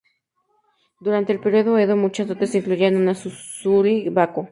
Durante el período Edo, muchas dotes incluían una Suzuri-bako.